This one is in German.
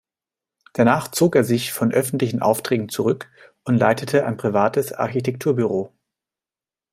Danach zog er sich von öffentlichen Aufträgen zurück und leitete ein privates Architekturbüro.